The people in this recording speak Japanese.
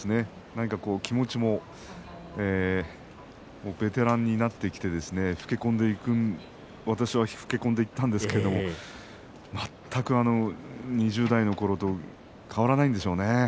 何か、気持ちもベテランになってきて私は老け込んでいったんですけれど全く２０代のころと変わらないんでしょうね。